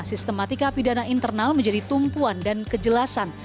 sistematika pidana internal menjadi tumpuan dan kejelasan